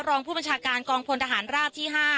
รองผู้บัญชาการกองพลทหารราบที่๕